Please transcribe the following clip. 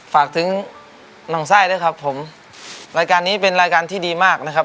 ฝากถึงห่องไส้ด้วยครับผมรายการนี้เป็นรายการที่ดีมากนะครับ